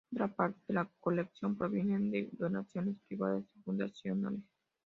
Otra parte de la colección provienen de donaciones privadas y fundacionales.